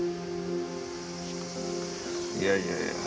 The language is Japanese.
いやいやいや。